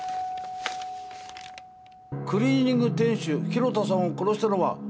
クリーニング店主広田さんを殺したのは私です。